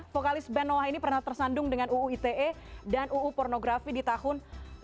vokalis band noah ini pernah tersandung dengan uu ite dan uu pornografi di tahun dua ribu dua